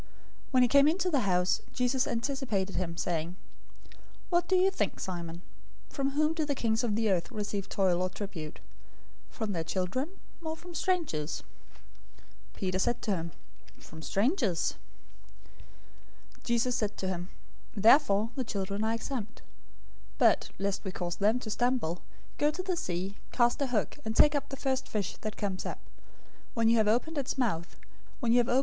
When he came into the house, Jesus anticipated him, saying, "What do you think, Simon? From whom do the kings of the earth receive toll or tribute? From their children, or from strangers?" 017:026 Peter said to him, "From strangers." Jesus said to him, "Therefore the children are exempt. 017:027 But, lest we cause them to stumble, go to the sea, cast a hook, and take up the first fish that comes up. When you have opened its mouth, you will find a stater coin.